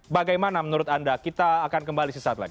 bagaimana menurut anda kita akan kembali sesaat lagi